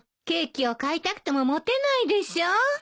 ケーキを買いたくても持てないでしょ。